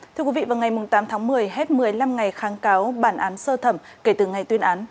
thưa quý vị vào ngày tám tháng một mươi hết một mươi năm ngày kháng cáo bản án sơ thẩm kể từ ngày tuyên án